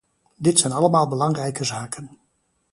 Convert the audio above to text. Dit zijn allemaal belangrijke zaken.